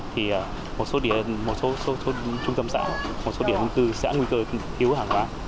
thì một số trung tâm xã một số điểm cư sẽ nguy cơ thiếu hàng hóa